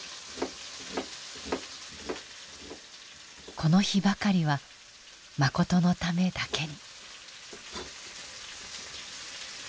この日ばかりはマコトのためだけに。